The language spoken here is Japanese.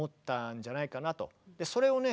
それをね